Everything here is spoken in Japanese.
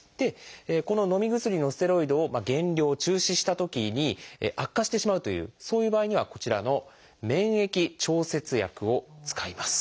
こののみ薬のステロイドを減量中止したときに悪化してしまうというそういう場合にはこちらの免疫調節薬を使います。